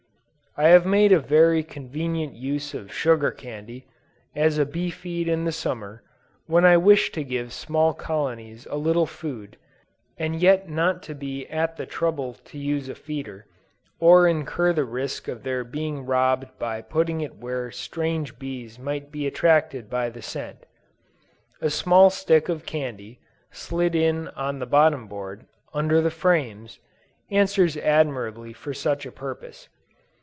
I have made a very convenient use of sugar candy, as a bee feed in the Summer, when I wished to give small colonies a little food, and yet not to be at the trouble to use a feeder, or incur the risk of their being robbed by putting it where strange bees might be attracted by the scent. A small stick of candy, slid in on the bottom board, under the frames, answers admirably for such a purpose.